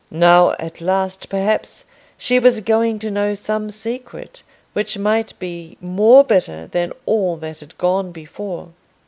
Now at last, perhaps, she was going to know some secret which might be more bitter than all that had gone before.